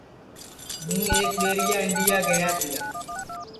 ہوں ایک ٻیریا انڈیا گیا تیا